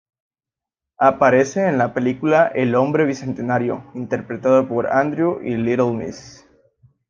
Aparece en la película "El hombre bicentenario", interpretado por Andrew y Little Miss.